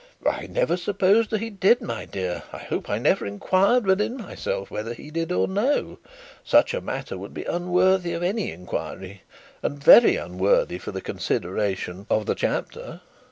'I never supposed that he did, my dear. I hope I never inquired within myself whether he did or no. Such a matter would be unworthy of any inquiry, and very unworthy of the consideration of the chapter.